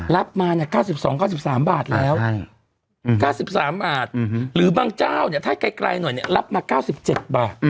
รับมา๙๒๙๓บาทแล้ว๙๓บาทหรือบางเจ้าเนี่ยถ้าไกลหน่อยรับมา๙๗บาท